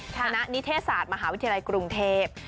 คณะนิเทศศาสตร์มหาวิทยาลัยกรุงเทพ